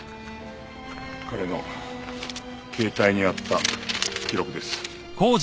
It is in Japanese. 彼の携帯にあった記録です。